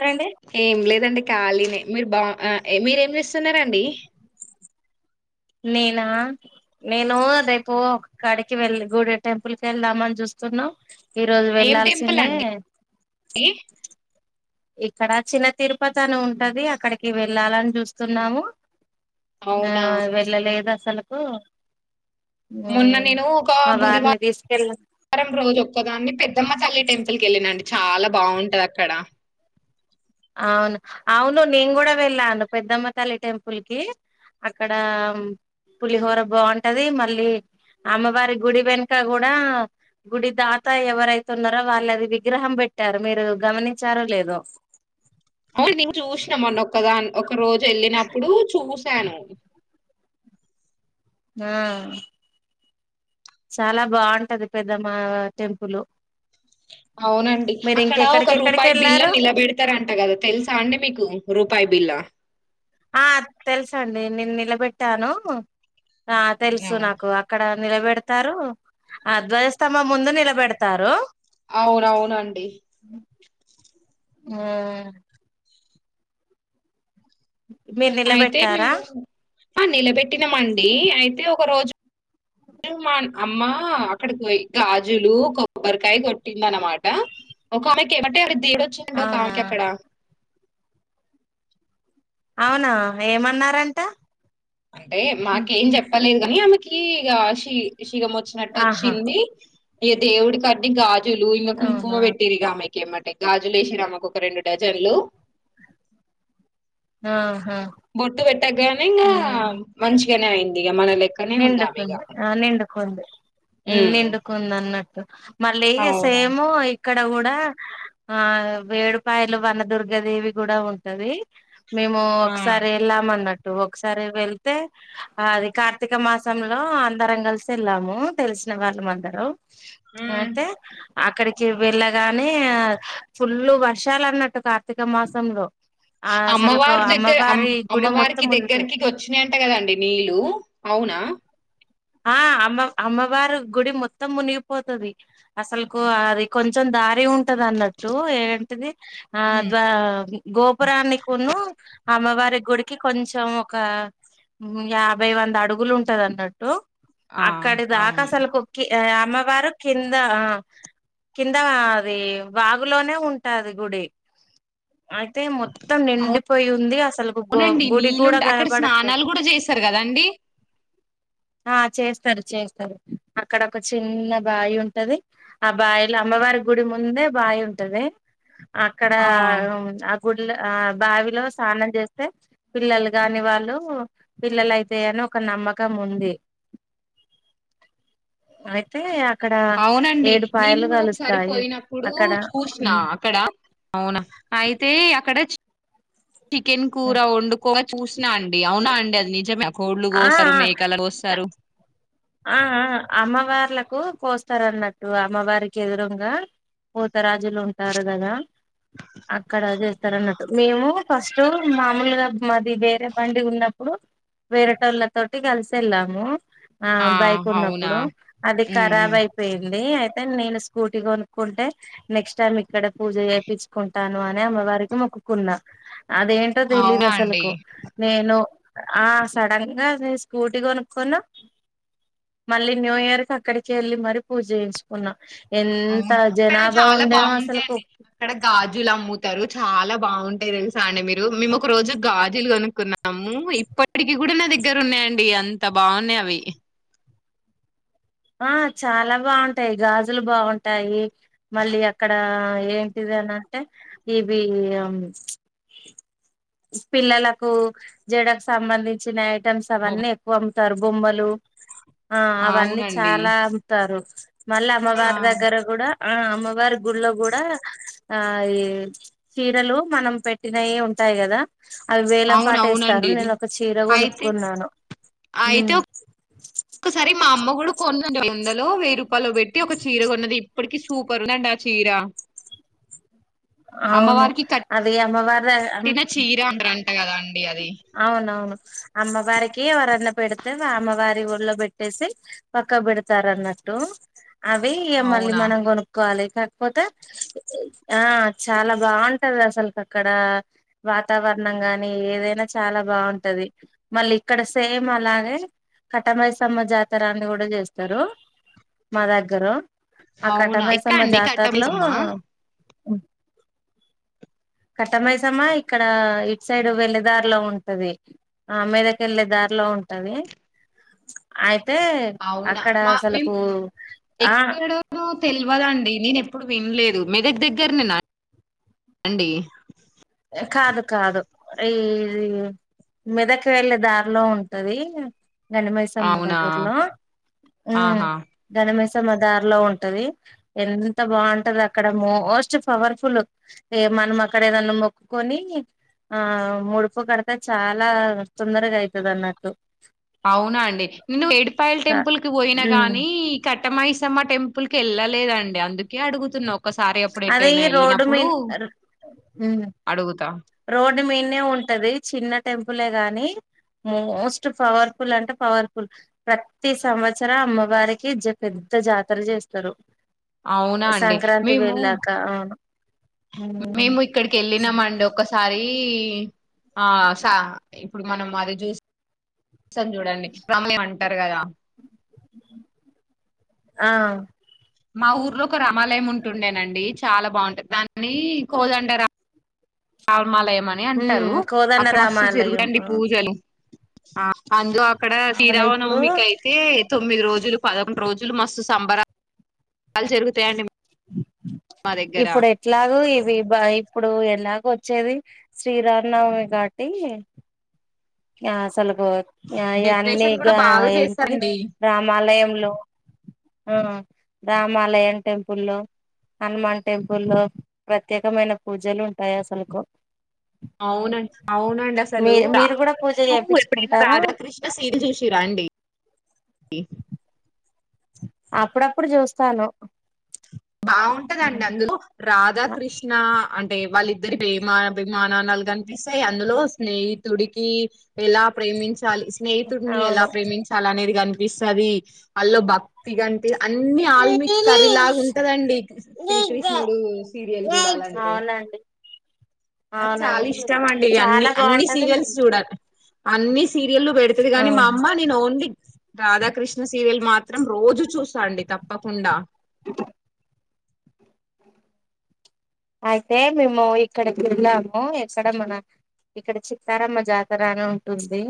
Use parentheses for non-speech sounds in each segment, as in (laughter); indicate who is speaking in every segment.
Speaker 1: రండి
Speaker 2: ఏం లేదండి ఖాళీని మీరు బా అ మీరేం చేస్తున్నారండి
Speaker 1: నేనా నేను రేపు ఒక కాడికి వెళ్ళ గూడె టెంపుల్ క వెళ్దామని చూస్తున్నా ఈ రోజు
Speaker 2: ఏం టెంపుల్
Speaker 1: వెళ్లాల్సిందే
Speaker 2: అండి
Speaker 1: ఇక్కడ చిన్న తిరుపతి అని ఉంటది అక్కడికి వెళ్ళాలని చూస్తున్నాము ఆ
Speaker 2: అవునా
Speaker 1: వెళ్ళ లేదా సలుకు
Speaker 2: మొన్న నేను ఒక బుధ
Speaker 1: తీసుకెళ్ళ
Speaker 2: వారం రోజు ఒక్కదాన్ని పెద్దమ్మ తల్లి టెంపుల్ వెళ్ళినండి చాలా బాగుంటది అక్కడ
Speaker 1: అవును అవును నేను కూడా వెళ్ళాను పెద్దమ్మ తల్లి టెంపుల్కి, అక్కడ పులిహోర బాగుంటది మళ్ళీ, అమ్మవారి గుడి వెనుక కూడా గుడి దాత ఎవరైతే ఉన్నారో వాళ్ళు అది విగ్రహం పెట్టారు మీరు గమనించారో లేదో
Speaker 2: అవు నేను చూసినామన్న ఒకదాని ఒక రోజు వెళ్ళినప్పుడు చూసాను
Speaker 1: ఆ చాలా బాగుంటది పెద్దమ్మా టెంపులు
Speaker 2: అవునండి, అక్కడ ఒక రూపాయి బిల్
Speaker 1: వెళ్ళారు
Speaker 2: నిలబెడతారంట కదా తెలుసా అండి మీకు రూపాయి బిల్లా
Speaker 1: ఆ తెలుసండి నేను నిలబెట్టాను ఆ తెలుసు నాకు అక్కడ నిలబెడతారు ఆ ధ్వజస్తంభం ముందు నిలబెడతారు
Speaker 2: అవునవునండి
Speaker 1: మ్ మీరు
Speaker 2: అయితే
Speaker 1: నిలబెట్టారా
Speaker 2: మేము ఆ నిలబెట్టినాంమండి అయితే ఒక రోజు మా అమ్మ అక్కడికి గాజులు కొబ్బరికాయ కొట్టింద అనమాట ఒక అమ్మేకి ఏం అంటే తీరొచ్చిండ
Speaker 1: అవునా
Speaker 2: కాకి అక్కడ
Speaker 1: అవునా ఏమన్నారంట
Speaker 2: అంటే మాకేం చెప్పలేదు కాని ఆమె కి ఇగ షి విషగం వచ్చినట్టు
Speaker 1: ఆహా
Speaker 2: వచ్చింది ఏ దేవుడుడి కడ్డిగా ఇకా
Speaker 1: అవునా
Speaker 2: కుంకుమ పెట్టిరిగా ఆమెకిమ్మటే గాజులు వేసినమ్మకు ఒక రెండు డజన్లు
Speaker 1: ఆ
Speaker 2: బొట్టు పెట్టగనింగా మంచిష నా అయింది మన లేక్కనే ఉందాం ఇగ
Speaker 1: కొంది
Speaker 2: హ్మ్
Speaker 1: నిండుకుంద అన్నట్టు మళ్ళీ
Speaker 2: అవునా
Speaker 1: సేము ఇక్కడ కూడా ఆ వేడుపాయలు వనదుర్గదేవి కూడా ఉంటది మేము
Speaker 2: ఆ!
Speaker 1: ఒకసారి వెళ్ళామ అన్నట్టు ఒకసారి వెళ్తే అది కా కార్తిక మాసంలో అందరం కలిసి వెళ్ళాము తెలిసిన వాళ్ళం అందరం
Speaker 2: హ్మ్.
Speaker 1: అయితే అక్కడికి వెళ్ళగానే ఫుల్లు వర్షాలు అన్నట్టు కా
Speaker 2: అమ్మవారు దగ్గరమ్
Speaker 1: అమ్మవారి గుడి మొత్తం
Speaker 2: అమ్మవారికి
Speaker 1: మునుగుతది
Speaker 2: దగ్గరకి వచ్చినాయంట కదండి నీళ్లు అవునా
Speaker 1: ఆ అమ్మ అమ్మవారు గుడి మొత్తం మునిగిపోతది అసలు అది కొంచెం దారి ఉంట ంటన్నట్టు ఏంటిది ఆ
Speaker 2: ఉమ్
Speaker 1: ద గోపురాన్ని కొను అమ్మవారి గుడికి కొంచెం ఒక యాభై వంద అడుగులు ఉంటది అన్నట్టు
Speaker 2: ఆ
Speaker 1: ఆక్కడది
Speaker 2: అవును
Speaker 1: ఆకాశల్కు కొకి అమ్మవారు కింద కింద అది వాగులోనే ఉంటది గుడి అయితే మొత్తం నిండిపోయి ఉంది అసలు గు
Speaker 2: అవునండి
Speaker 1: గుడి కూడా
Speaker 2: నీళ్ళుంటే అక్కడ స్నానాలు
Speaker 1: కనబడట్లేదు
Speaker 2: కూడా చేశారు కదండి
Speaker 1: ఆ చేస్తారు చేస్తారు అక్కడ ఒక చిన్న బాయి ఉంటది ఆ బాయిలో అమ్మవారి గుడి ముందే బావి ఉంటది అక్కడ
Speaker 2: ఆ
Speaker 1: గుడ్ ఆ బావిలో స్నానం చేస్తే పిల్లలు కాగాని వాళ్ళు పిల్లలు అయితాయి అని ఒక నమ్మకం ఉంది అయితే అక్కడ
Speaker 2: అవునండి
Speaker 1: ఏడు
Speaker 2: నేను
Speaker 1: పాయలు
Speaker 2: కూడ ఒకసారి
Speaker 1: కలుస్తాయి
Speaker 2: పోయినప్పుడు
Speaker 1: అక్కడ
Speaker 2: చూసిన అక్కడ అవునా అయితే అక్కడ చికెన్ కూర వండుకో చూసినా అండి అవునా అండి అది నిజం కోళ్లు
Speaker 1: ఆ
Speaker 2: కోస్తారు మేకాల కోస్తారు
Speaker 1: ఆ ఆ అమ్మవార్లకు కోస్తారు అన్నట్టు అమ్మవారికి ఎదురుంగా పోతరాజులు ఉంటారు కదా అక్కడ చేస్తారు అన్నట్టు మేము ఫస్ట్ మామూలుగా మాది వేరే బండి ఉన్నప్పుడు వేరేటోళ్ళ తోటి కలిసి వెళ్ళాము ఆ బైక్ ఉన్నప్పుడు అది
Speaker 2: ఉమ్
Speaker 1: ఖరాబ్
Speaker 2: ఉమ్.
Speaker 1: అయిపోయింది అయి తే నేను స్కూటీ కొనుక్కుంటే నెక్స్ట్ టైమ్ ఇక్కడ పూజ చేపిచ్చుకుంటాను అని అమ్మవారికి మొక్కుకున్నా అదేంటో
Speaker 2: అవునా అండి
Speaker 1: తెలిదసలకు నేను ఆ సడన్ గా నేను స్కూటీ కొనుక్కున్న మళ్ళీ న్యూ ఇయర్ కి అక్కడికి వెళ్ళి మరి పూజ చేయించుకున్నా ఎంత
Speaker 2: అవునా అక్కడ
Speaker 1: జనాభా
Speaker 2: చాలా
Speaker 1: ఉండేనో అసలుకు
Speaker 2: బాగుంటాయిడి అక్కడ గాజులు అమ్ముత రు చాలా బాగుంటాయి తెలుసా అండి మీరు మేము ఒక రోజు గాజులు కొనుక్కున్నాము ఇప్పటికి కూడా నా దగ్గర ఉన్నాయండి అంత బాగున్నాయి అవి
Speaker 1: ఆ చాలా బాగుంటాయి గాజులు బాగుంటాయి మళ్ళీ అక్కడ ఏంటిది అనింటే ఇవి పిల్లలకు జడకు సంబంధించిన ఐటమ్స్ అన్న
Speaker 2: బొమ్
Speaker 1: ఎక్కువ అమ్ము కర్బొమ్మలు ఆ అవన్నీ
Speaker 2: అవునండి.
Speaker 1: చాలా అంతారు మళ్ళీ
Speaker 2: ఆ
Speaker 1: అమ్మవారి దగ్గర కూడా ఆ అమ్మవారి గుళ్ళో కూడా ఆ ఈ చీరలు మనం పెట్టినవి ఉంటాయి కదా అవి వేలం పాటేస్తారు
Speaker 2: అవునవునండి.
Speaker 1: నేను ఒక చీర
Speaker 2: అయితే
Speaker 1: కొనుక్కున్నాను
Speaker 2: అయితే కొన్నంది వందలో వేరు ప్పలో పెట్టి ఒక చీర కొన్నది ఇప్పటికి సూపర్ ఉందంట ఆ చీరా
Speaker 1: అవును అది అమ్మవారు
Speaker 2: తిన చీరా అంటరన్ కదండ్
Speaker 1: అవునవును అమ్మవారికి ఎవరన్నా పెడితే అమ్మవారి ఒళ్ళో పెట్టేసి పక్క పెడతారు అన్నట్టు అవి ఇక మళ్ళీ
Speaker 2: అవునా
Speaker 1: మనం కొనుక్కోవాలి కాకపోతే ఆ చాలా బాగుంటది అసలు అక్కడ వాతావరణం గాని ఏదైనా చాలా బాగుంటది మళ్ళీ ఇక్కడ సేమ్ అలాగే కట్ట మైసమ్మ జాతరన్ని కూడా చేస్తారు మా దగ్గర ఆ కట్ట
Speaker 2: అవునా ఎక్కడ
Speaker 1: మైసమ్మ
Speaker 2: అండి కట్ట
Speaker 1: జాతరలో
Speaker 2: మైసమ్మ
Speaker 1: కట్టమైసామ్మా ఇక్కడ ఇటు సైడ్ వెళ్ళదు. దారిలో ఉంటది ఆహ్ మెదక్ వెళ్ళే దారిలో ఉంటది అయి
Speaker 2: అవునా మా మేము
Speaker 1: ఆ
Speaker 2: ఎక్కడో తెలువదండి నేను ఎప్. ఎప్పుడు వినలేదు మెదక్ దగ్గరనేన అండి.
Speaker 1: కాదు కాదు ఈ. మెదక్ వెళ్ళే దారిలో ఉంటది. గండి మైసమ్మ
Speaker 2: అవునా
Speaker 1: దగ్గర్లో ఉమ్
Speaker 2: ఆహా
Speaker 1: గండీ మైసమ్మ మ దారిలో ఉంటది ఎంత బాగుంటదక్కడ మోస్ట్ పవర్ఫుల్ ఏ మనం అక్కడ ఏదన్నా మొక్. కొని ఆహ్ ముడుపు కడితే చాలా తొందరగా అయితది అన్నట్టు.
Speaker 2: అవునా అండి నేను ఎడుపాయల్ టెంపుల్ కి పోయిన
Speaker 1: ఉమ్
Speaker 2: గాని కట్ కట్ట మైసమ్మ టెంపుల్ కి వెళ్ళలేదండి. అందుకే అడుగుతున్న ఒక్కసారి ఎప్పుడు
Speaker 1: అది
Speaker 2: ఎట్నా
Speaker 1: రోడ్డు మీ
Speaker 2: వెళ్ళినప్పుడు
Speaker 1: ఉమ్
Speaker 2: అడుగుతా.
Speaker 1: రోడ్డు మీద ఉంటది చిన్న టెంపులే గాని మోస్ట్ పవర్ఫుల్ అంటే పవర్ఫుల్ ప్రతి సంవత్సరం అమ్మవారికి పెద్ద జాతర చేస్తారు.
Speaker 2: అవునా అండి
Speaker 1: సంక్రాంతి
Speaker 2: మేము
Speaker 1: వెళ్ళాక అవును
Speaker 2: మేము ఇక్కడికి వెళ్ళినామండి ఒకసారి. ఈ ఆహ్ సా ఇప్పుడు మనం అది చూసి. స చూడండి రమలే ఏమంటారు. గా
Speaker 1: ఆహ్
Speaker 2: మా ఊర్లో ఒక రామాలయం ఉంటుండేనండి చాలా బాగుంటుంది దాన్ని కోదండరాం. అవ్ రామాలయం అని అంటారు
Speaker 1: ఉమ్
Speaker 2: అక్కడ మస్తు
Speaker 1: కోదండరామాలయం
Speaker 2: జరుగుతయండి పూజలు. ఆహ్ ఆన్ జాబ్. అక్కడ
Speaker 1: అవునా ఇప్పుడు
Speaker 2: శ్రీరామనవమికి అయితే తొమ్మిది రోజులు. పదకొండు రోజులు మస్తు సంబరాలు (inaudible) జరుగుతయండి.
Speaker 1: ఇప్పుడు ఎట్లాగొ ఇవి బైప్. ఇప్పుడు ఎలాగో వచ్చేది శ్రీరామ్ నవమి కాబట్టి. ఆహ్ అసలు. ఓ యా
Speaker 2: డెకరేషన్ కూడా
Speaker 1: అన్నీగా
Speaker 2: బాగా
Speaker 1: ఏంటిది
Speaker 2: చేస్తారండి
Speaker 1: రామాలయంలో ఆ రామాలయం టెంపుల్లో హనుమాన్ టెంపుల్లో ప్రత్యేకమైన పూజలు ఉంటాయి అసలకు.
Speaker 2: అవునండ్ అవునండి అసలు రా.
Speaker 1: మీరు కూడా పూజ
Speaker 2: నువ్వు ఎపుడైనా
Speaker 1: చేయించుకుంటారా
Speaker 2: రాధాకృష్ణ సీరియల్ చూసింరా అండి. ఉమ్
Speaker 1: అప్పుడప్పుడు చూస్తాను.
Speaker 2: బాగుంటదండి అందులో రాద్. రాధాకృష్ణ అంటే వాళ్లి ఇద్దరి ప్రేమ అబిమానానాలు కనిపిస్తాయి అందులో స్నేహితుడికి ఎలా ప్రేమించాలి స్నేహితుడిని ఎలా
Speaker 1: అవును
Speaker 2: ప్రేమించాలి అనేది కనిప్ ఇస్సాది అల్లొ భక్తి కంటే అన్నీ ఆల్మిక్స్ కర్రీలాగా ఉన్ అండి శ్రీకృష్ణుడు సీరియల్ చూడాలంటే
Speaker 1: అవునండి
Speaker 2: నాకు చాలా
Speaker 1: అవునండి
Speaker 2: ఇష్టం అండి అన్ని
Speaker 1: చాలా
Speaker 2: అన్ని
Speaker 1: బాగుంటది
Speaker 2: సీరియల్స్ చూడాలి. అన్నీ సీరియల్ పెడుతుది కానీ మా
Speaker 1: అవును
Speaker 2: అమ్మ నేను ఓన్లీ రాధాకృష్ణ సీరియల్ మాత్రం రోజు చూస్తాండి తప్పకుండా
Speaker 1: (unintelligible) అయితే మేము ఇక్కడకి వెళ్ళాము ఎక్కడ మన ఇక్కడ చిత్తారమ్మ జాతర అని ఉంటుంది.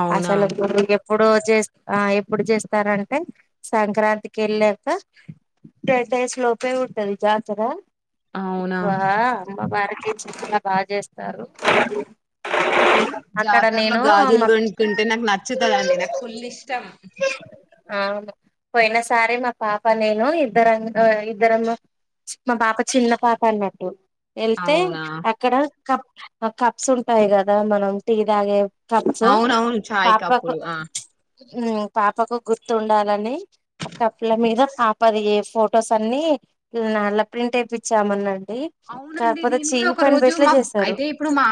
Speaker 2: అవునా
Speaker 1: అసలకు ఎప్పుడ్ ఎప్పుడు చేస్ట ఆ ఎప్పుడు చేస్తారంటే సంక్రాంతికి వెళ్ళాక టెన్ డేస్ లోపే ఉం టాది జాతర
Speaker 2: అవునా
Speaker 1: ఇప్రా మా భారకి చలా బాగా చేస్తారు అక్కడ
Speaker 2: జాతరలో
Speaker 1: నేను
Speaker 2: గాజులు
Speaker 1: మా
Speaker 2: కొంకుంటే నాకు నచ్చుతుందండి నాకు ఫుల్ ఇష్టం
Speaker 1: అవును పోయిన సారి మా పాప నేను ఇద్దరం ఇద్దరము మా పాప చిన్న పాప అన్నట్టు. వెళ్తే
Speaker 2: అవునా
Speaker 1: అక్కడ కప్ కప్స్ ఉంటాయి కదా మనం టీ తాగే కర్చు
Speaker 2: అవునవును చాయ్
Speaker 1: పాపకు
Speaker 2: కప్పులు ఆ
Speaker 1: ఊ పాపకు గుర్తుండాలని ఆ కప్పుల మీద పాపది ఎ ఫొటోస్ అన్ని నల్ల ప్రింట్ వేపించామన్నా
Speaker 2: అవునండి నేను కూడా ఒక రోజు మా
Speaker 1: చేశారు
Speaker 2: అయితే ఇప్పుడు మా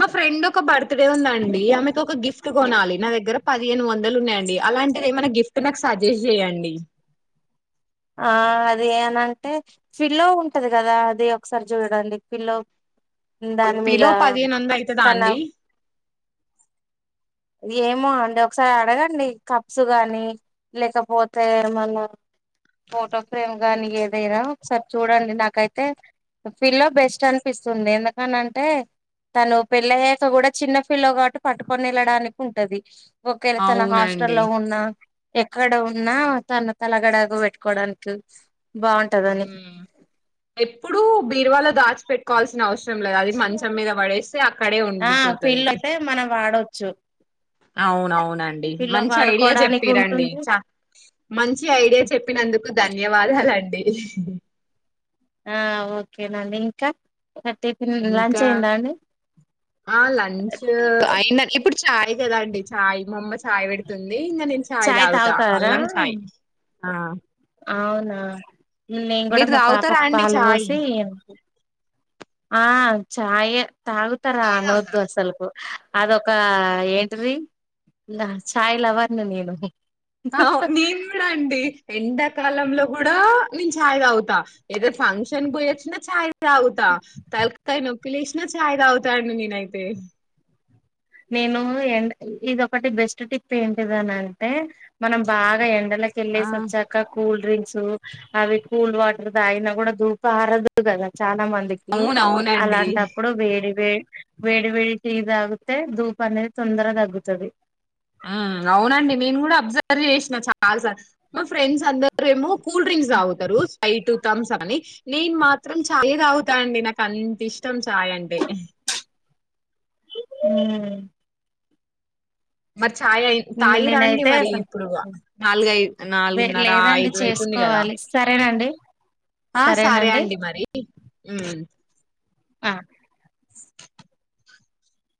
Speaker 2: మా ఫ్రెండ్ ఒక బర్త్డే ఉందండి ఆమెకు ఒక గిఫ్ట్ కొనాలి నా దగ్గర పదిహేను వం దలు ఉన్నాయండి అలాంటిది ఏమైనా గిఫ్ట్ నాకు సజెస్ట్ చేయండి.
Speaker 1: ఆ అది అనంటే ఫిలో ఉంటది కదా అది ఒకసారి చూడండి ఫిలో
Speaker 2: పిలో పదిహేను వందల అయితదా అండి
Speaker 1: ఏమో అండి ఒకసారి అడగండి కప్స్ గాని లేకపోతే ఏమన్నా ఫోటో ఫ్రేమ్ గాని ఏదైనా ఒకసారి చూడండి నాకైతే పిలో బెస్ట్ అనిపిస్తుంది ఎందుకనంటే తను పెళ్ళయ్యాక కూడా చిన్న ఫీల్లో కాబట్టి పట్టుకొని వెళ్ళడానికి. కుంటది ఒకవేళ తన హాస్ట
Speaker 2: అవునండి
Speaker 1: లో ఉన్న ఎక్కడ ఉన్నా తను తలగడాగు పెట్టుకోడానికి
Speaker 2: ఉ ఎప్పుడు బీర్వాలో దాచిపెట్కోవాల్సిన అవసరం లేదు అది మంచం మీద పడే స్
Speaker 1: ఆ ఫీల్ అయితే మనం వాడవచ్చు
Speaker 2: అవునవు వునండి మంచి ఐడియా
Speaker 1: వాడుకోవడానికి
Speaker 2: చెప్పి రండి
Speaker 1: ఉంటుంది
Speaker 2: చ మంచి ఐడియా చెప్పినందుకు ధన్ న్యవాదాలండి
Speaker 1: ఆ ఓకే నండి ఇంకా టిఫిన్ లంచ్
Speaker 2: ఇంకా
Speaker 1: అయిందా అండి
Speaker 2: ఆ లంచ్ అయినదండి ఇప్పుడు చాయ్ కదా అండి చాయ్ మా అమ్మ చాయ్ పెడుతుంది ది ఇంగా నిను చాయ్ ఇగుతా అల్లం చాయ్ ఆ
Speaker 1: అవునా నేను కూడా
Speaker 2: మీరు
Speaker 1: మా
Speaker 2: తాగుతారా
Speaker 1: పాపకు
Speaker 2: అండి
Speaker 1: పాలు
Speaker 2: చాయ్
Speaker 1: పోసి ఆ చాయ తాగుతారా అన్నోద్దు అసలుకు అదొ క ఏంటిది ద చాయ్ లవర్ ని నేను
Speaker 2: అ నిను కూడా అండి ఎండాకాలంలో కూడా నిను ఛాయ్ తాగుత్ తా ఏదో ఫంక్షన్ పోయో చ్చిన చాయి తాగుత తల్కయే ప్పిలేషి నా చాయ్ తాగుత అండి నేనైతే
Speaker 1: నేను ఎండ ఇదిొకటి బెస్ట్ టిప్ ఏంటిదని అంటే మనం బాగా ఎండ
Speaker 2: ఆ
Speaker 1: లాకెళ్లేసి వచ్చాక కూల్ డ్రింక్స్ అవి కూల్ వాటర్ తాగిన కూడా ధూప అరదు కద చాలా మందికి
Speaker 2: అవును అవునండి
Speaker 1: అలాంటప్పుడు వేడి వే వెడి వేడి టీ తాగు అే ధూపు అనేది తొందరగా తగ్గుతది
Speaker 2: ఆ అవునండి నేను కూడా అబ్జర్వ్ చేసినా చాలా సార్లు మా ఫ్రెండ్స్ అందరు ఏమో కూల్ డ్రింక్స్ ఆగుతారు స్ప్రేట్ థమ్స్ అని నేను మాత్రం చాయ్ తాగుతానండి నాకు అంత ఇష్టం చాయ్ అంటే
Speaker 1: అ
Speaker 2: మ చాయి
Speaker 1: మ్
Speaker 2: తాగిర్రా అండి
Speaker 1: నేనైతే
Speaker 2: మరి
Speaker 1: అసలు
Speaker 2: ఇప్పుడు నాలుగఐ నాలుగున్నర
Speaker 1: లేదండి
Speaker 2: ఐదు అయితుంది కదా
Speaker 1: చేసుకోవాలి సరేనండి
Speaker 2: ఆ సారే
Speaker 1: సరేనండి
Speaker 2: అండి మరి హు
Speaker 1: ఆ